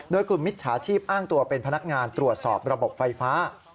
โดยกลุ่มมิจฉาชีพอ้างตัวเป็นพนักงานตรวจสอบระบบไฟฟ้า